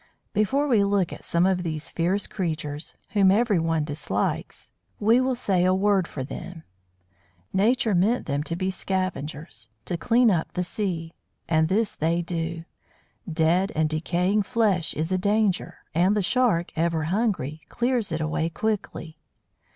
Before we look at some of these fierce creatures, whom everyone dislikes, we will say a word for them. Nature meant them to be scavengers, to clean up the sea. And this they do. Dead and decaying flesh is a danger, and the Shark, ever hungry, clears it away quickly.